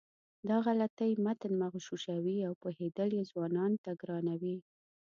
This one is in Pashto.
دا غلطۍ متن مغشوشوي او پوهېدل یې ځوانانو ته ګرانوي.